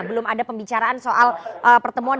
belum ada pembicaraan soal pertemuan